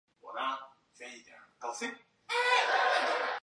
曾担任中国人民解放军成都军区某师师长。